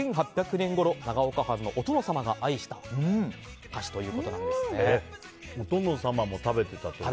１８００年ごろ長岡藩のお殿様が愛したお菓子ということなんです。